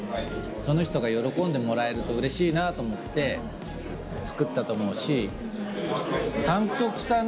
その人が喜んでもらえるとうれしいなと思って作ったと思うし。